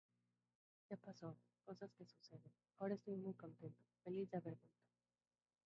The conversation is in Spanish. Ya pasó, cosas que suceden, ahora estoy muy contento, feliz de haber vuelto"".